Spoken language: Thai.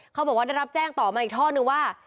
เขาบอกว่าได้รับแจ้งต่อมาอีกท่อนึงว่า